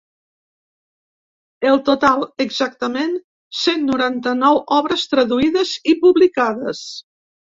El total: exactament cent noranta-nou obres traduïdes i publicades.